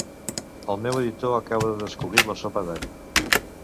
El meu editor acaba de descobrir la sopa d'all.